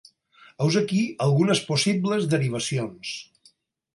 Heus aquí algunes possibles derivacions.